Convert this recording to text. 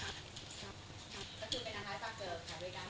ก็คือเป็นอาหารต่อเจอกันด้วยกัน